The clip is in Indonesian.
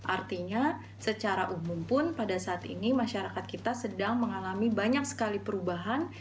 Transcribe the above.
artinya secara umum pun pada saat ini masyarakat kita sedang mengalami banyak sekali perubahan